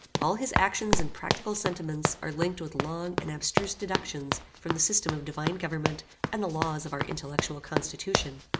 All his actions and practical sentiments are linked with long and abstruse deductions from the system of divine government and the laws of our intellectual constitution.